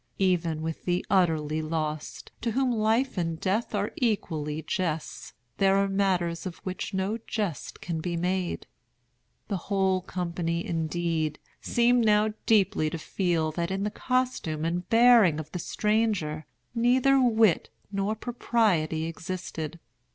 Even with the utterly lost, to whom life and death are equally jests, there are matters of which no jest can be made. The whole company, indeed, seemed now deeply to feel that in the costume and bearing of the stranger neither wit nor propriety existed.